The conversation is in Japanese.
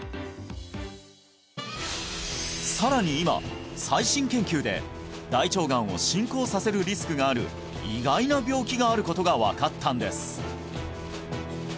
さらに今最新研究で大腸がんを進行させるリスクがある意外な病気があることが分かったんです！